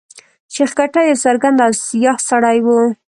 شېخ کټه يو ګرځنده او سیاح سړی وو.